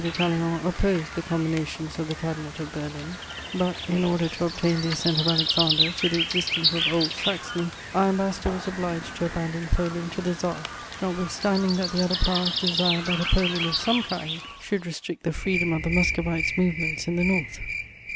de Talleyrand opposed the combinations of the Cabinet of Berlin; but, in order to obtain the assent of Alexander to the existence of Old Saxony, our Ambassador was obliged to abandon Poland to the Tsar, notwithstanding that the other Powers desired that a Poland of some kind should restrict the freedom of the Muscovite's movements in the North.